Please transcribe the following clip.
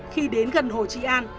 khi đến gần hồ chí an